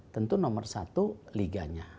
tentu nomor satu liganya